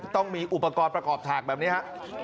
ต้องมีอุปกรณ์ประกอบฉากแบบนี้ฮะ